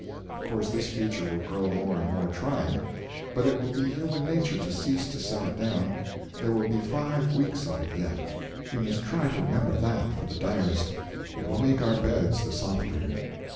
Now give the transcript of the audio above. Of course this feature will grow more and more trying, but it will be human nature to cease to set it down; there will be five weeks of it yet we must try to remember that for the diarist; it will make our beds the softer.